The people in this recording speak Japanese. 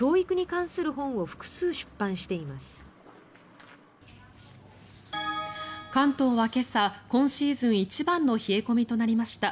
関東は今朝、今シーズン一番の冷え込みとなりました。